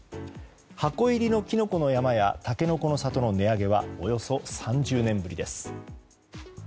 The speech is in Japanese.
箱入りのきのこの山やたけのこの里の値上げはおよそ３０年ぶりです。